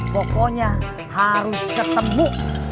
pokoknya harus ketemu